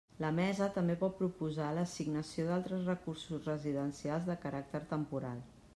La Mesa també pot proposar l'assignació d'altres recursos residencials de caràcter temporal.